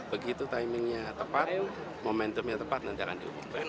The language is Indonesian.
begitu timingnya tepat momentumnya tepat nanti akan diumumkan